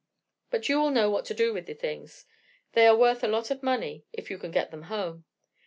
But you will know what to do with the things; they are worth a lot of money if you can get them home.